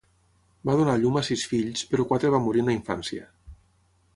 Va donar a llum a sis fills, però quatre van morir en la infància.